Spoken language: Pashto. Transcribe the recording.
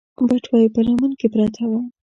بټوه يې په لمن کې پرته وه.